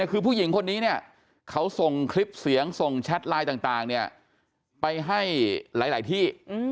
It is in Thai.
คือผู้หญิงคนนี้เนี่ยเขาส่งคลิปเสียงส่งแชทไลน์ต่างไปให้หลายที่